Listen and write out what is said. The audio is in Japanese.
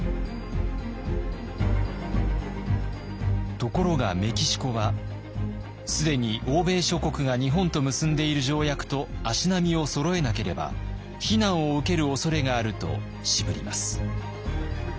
ところがメキシコは「既に欧米諸国が日本と結んでいる条約と足並みをそろえなければ非難を受けるおそれがある」と渋ります。